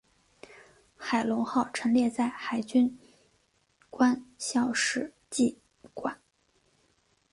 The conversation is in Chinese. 海龙号陈列在海军官校史绩馆。